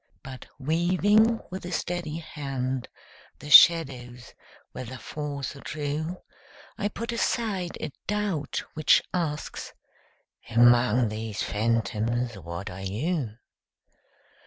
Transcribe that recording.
But weaving with a steady hand The shadows, whether false or true, I put aside a doubt which asks "Among these phantoms what are you?"